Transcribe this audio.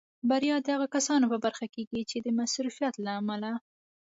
بریا د هغو کسانو په برخه کېږي چې د مصروفیت له امله.